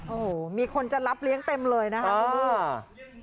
โอ้โหมีคนจะรับเลี้ยงเต็มเลยนะครับ